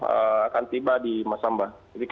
akan tiba di masamba